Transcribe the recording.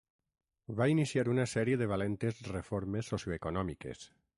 Va iniciar una sèrie de valentes reformes socioeconòmiques.